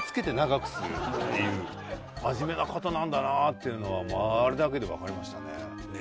っていうのはあれだけでわかりましたね。